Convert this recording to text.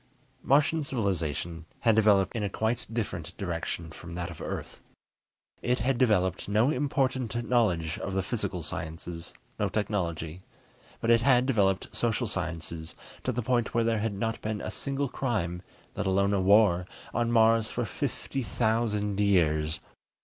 Martian civilization had developed in a quite different direction from that of Earth. It had developed no important knowledge of the physical sciences, no technology. But it had developed social sciences to the point where there had not been a single crime, let alone a war, on Mars for fifty thousand years.